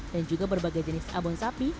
juga berbagai jenis abon sapi